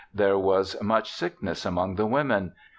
. There was much sickness amongst the women.